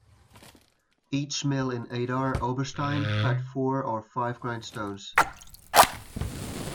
Each mill in Idar Oberstein had four or five grindstones.